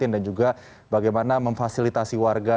dan juga bagaimana memfasilitasi warga